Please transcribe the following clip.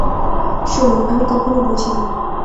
শোন, আমি কখনো বুঝিনি।